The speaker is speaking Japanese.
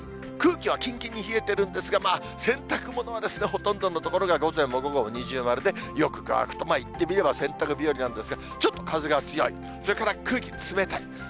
空気はきんきんに冷えてるんですが、洗濯物はほとんどの所が午前も午後も二重丸でよく乾くと、言ってみれば洗濯日和なんですが、ちょっと風が強い、それから空気、冷たい。